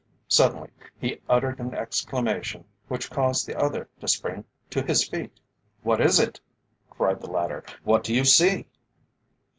Suddenly he uttered an exclamation which caused the other to spring to his feet. "What is it?" cried the latter; "what do you see?"